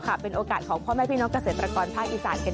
เป็นโอกาสของพ่อแม่พี่น้องเกษตรกรภาคอีสานกัน